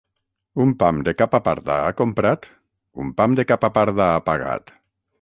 Un pam de capa parda ha comprat, un pam de capa parda ha pagat.